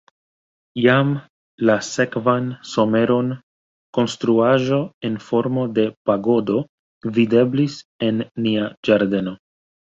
Jam la sekvan someron konstruaĵo en formo de pagodo videblis en nia ĝardeno.